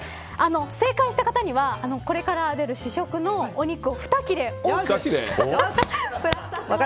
正解した方にはこれから出る試食のお肉を２切れ。